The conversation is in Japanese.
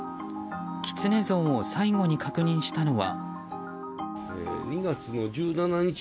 キツネ像を最後に確認したのは。